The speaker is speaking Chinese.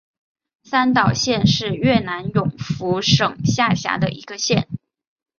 三岛县是越南永福省下辖的一个县。